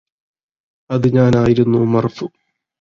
അത് ഞാനായിരുന്നു മര്ഫ്